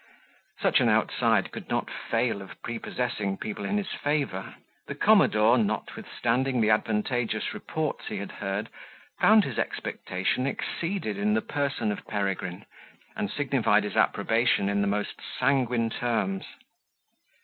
Such an outside could not fail of prepossessing people in his favour. The commodore, notwithstanding the advantageous reports he had heard, found his expectation exceeded in the person of Peregrine, and signified his approbation in the most sanguine terms.